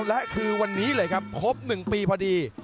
และคือวันนี้เลยครับครบ๑ปีพอดี